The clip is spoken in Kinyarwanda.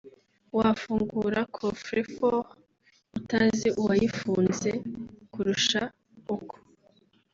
wafungura coffre fort utazi uwayifunze kurusha uko